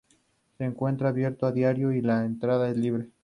Incluso ha tenido cambios cuando se elige otra paleta de colores.